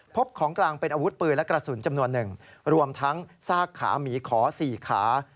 ของกลางเป็นอาวุธปืนและกระสุนจำนวนหนึ่งรวมทั้งซากขาหมีขอ๔ขา